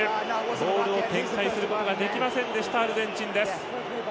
ボールを展開することができませんでしたアルゼンチンです。